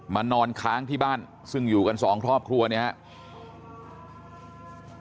นอนค้างที่บ้านซึ่งอยู่กันสองครอบครัวเนี่ยครับ